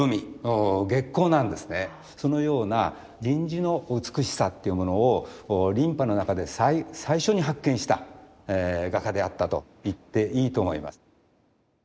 そのような銀地の美しさっていうものを琳派の中で最初に発見した画家であったといっていいと思います。